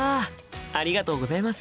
ありがとうございます。